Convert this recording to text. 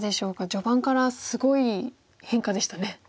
序盤からすごい変化でしたね。